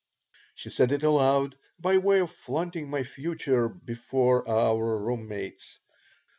She said it aloud, by way of flaunting my future before our room mates.